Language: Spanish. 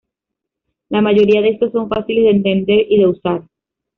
La mayoría de estos son fáciles de entender y de usar.